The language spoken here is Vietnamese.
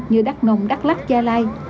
như đắk nông đắk lắk gia lai